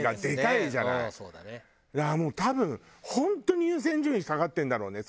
だからもう多分本当に優先順位下がってるんだろうね